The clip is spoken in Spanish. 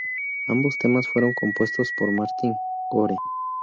Ambos temas fueron compuestos por Martin Gore.